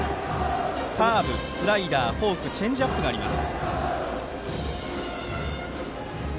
カーブ、スライダー、フォークチェンジアップがあります。